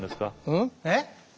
うん？えっ？